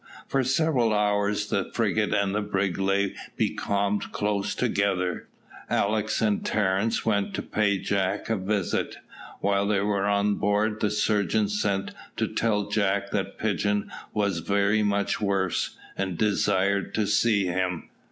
For several hours the frigate and the brig lay becalmed close together. Alick and Terence went to pay Jack a visit. While they were on board the surgeon sent to tell Jack that Pigeon was very much worse, and desired to see him.